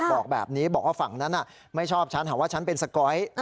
บอกว่าฝั่งนั้นไม่ชอบฉันหรือว่าฉันเป็นสก๊อย